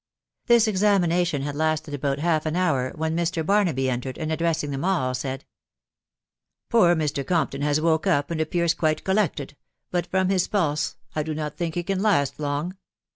This examination had lasted about half an hour, when Mr. Barnaby entered, and addressing them all, said, " Poor Mr. Compton has woke up, and appears quite collected, but from his pulse, I do not think he can last long